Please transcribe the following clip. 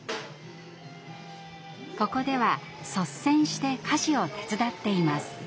ここでは率先して家事を手伝っています。